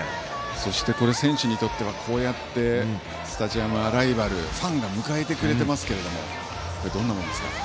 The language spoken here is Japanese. そして、選手にとってはスタジアムアライバルファンが迎えてくれていますがどんなものですか？